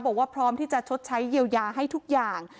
บอกว่าพร้อมที่จะชดใช้เยียวยาให้ทุกอย่าง